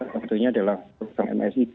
sebetulnya adalah program msep